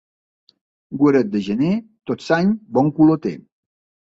Guaret de gener tot l'any bon color té.